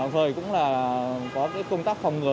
rồi cũng là công tác phòng ngừa